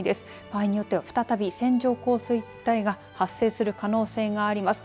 場合によっては再び線状降水帯が発生する可能性があります。